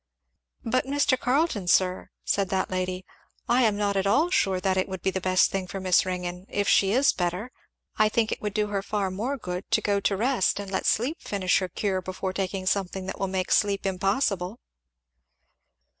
"But Mr. Carleton, sir," said that lady, "I am not at all sure that it would be the best thing for Miss Ringgan if she is better, I think it would do her far more good to go to rest and let sleep finish her cure, before taking something that will make sleep impossible."